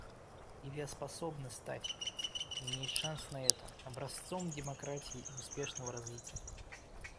Ливия способна стать — и имеет шанс на это — образцом демократии и успешного развития.